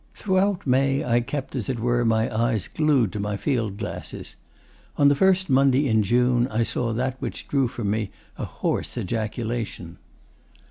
Throughout May I kept, as it were, my eyes glued to my field glasses. On the first Monday in June I saw that which drew from me a hoarse ejaculation.